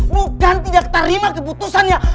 bukan tidak terima keputusannya